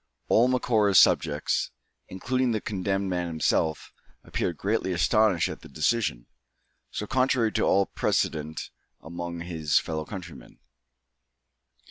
All Macora's subjects, including the condemned man himself, appeared greatly astonished at the decision, so contrary to all precedent among his fellow countrymen.